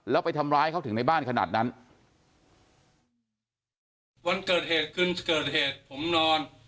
แล้วไปทำร้ายเขาถึงในบ้านขนาดนั้นวันเกิดเหตุคืนเกิดเหตุผมนอน